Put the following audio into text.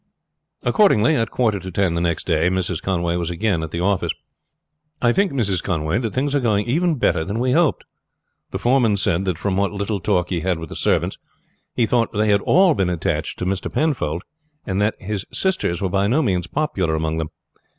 Accordingly at a quarter to ten the next day Mrs. Conway was again at the office. "I think, Mrs. Conway, that things are going even better than we hoped. The foreman said that from what little talk he had with the servants, he thought they had all been attached to Mr. Penfold, and that his sisters were by no means popular among them.